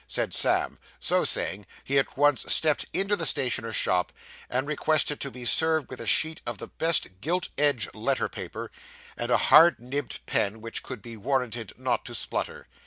said Sam; so saying, he at once stepped into the stationer's shop, and requested to be served with a sheet of the best gilt edged letter paper, and a hard nibbed pen which could be warranted not to splutter.